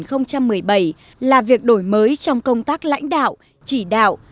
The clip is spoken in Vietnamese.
họ đã trở thành người mới trong công tác lãnh đạo chỉ đạo